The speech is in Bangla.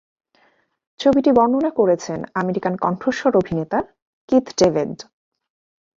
ছবিটি বর্ণনা করেছেন আমেরিকান কণ্ঠস্বর অভিনেতা কিথ ডেভিড।